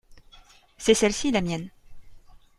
C’est celle-ci la mienne.